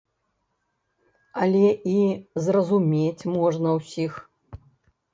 Але і зразумець можна ўсіх.